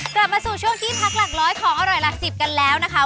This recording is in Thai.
กลับมาสู่ช่วงที่พักหลักร้อยของอร่อยหลักสิบกันแล้วนะคะ